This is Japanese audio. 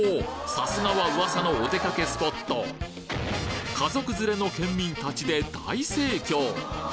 さすがは噂のおでかけスポット家族連れの県民たちで大盛況